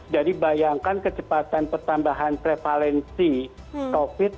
jadi bayangkan kecepatan pertambahan prevalensi covid sembilan belas